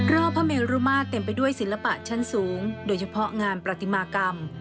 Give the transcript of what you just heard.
พระเมรุมาตรเต็มไปด้วยศิลปะชั้นสูงโดยเฉพาะงานประติมากรรม